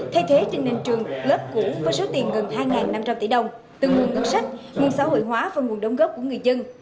thay thế trên nền trường lớp cũ với số tiền gần hai năm trăm linh tỷ đồng từ nguồn ngân sách nguồn xã hội hóa và nguồn đóng góp của người dân